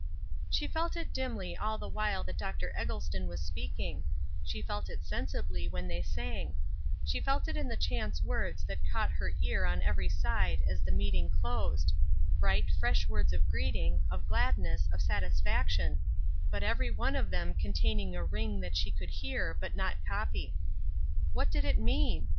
She felt it dimly all the while that Dr. Eggleston was speaking; she felt it sensibly when they sang; she felt it in the chance words that caught her ear on every side as the meeting closed bright, fresh words of greeting, of gladness, of satisfaction, but every one of them containing a ring that she could hear but not copy. What did it mean?